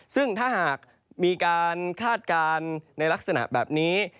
ซึ่งถ้าหากมีการคาดการณ์ในลักษณะแบบนี้